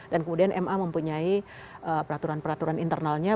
dan kemudian ma mempunyai peraturan peraturan internalnya